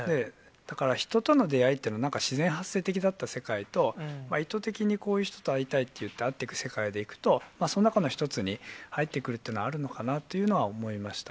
だから、人との出会いって、なんか自然発生的だった世界と、意図的に、こういう人と会いたいって言って会っていく世界でいく、その中の一つに入って来るっていうのはあるのかなと思いました。